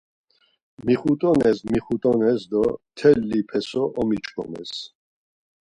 Mixut̆ones mixut̆ones do mteli peso omiç̌ǩomes.